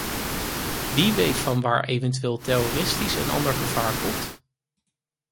Wie weet vanwaar eventueel terroristisch en ander gevaar komt?